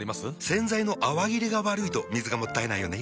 洗剤の泡切れが悪いと水がもったいないよね。